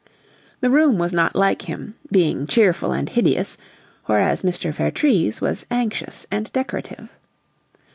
The room was not like him, being cheerful and hideous, whereas Mr. Vertrees was anxious and decorative.